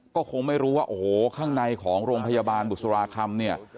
ก็คงไม่รู้ว่าโอ้โหข้างในของโรงพยาบาลบุษราคำเนี่ย